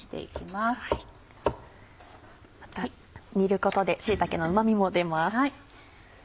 また煮ることで椎茸のうま味も出ます。